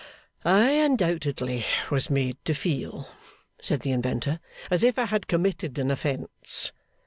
'I undoubtedly was made to feel,' said the inventor, 'as if I had committed an offence.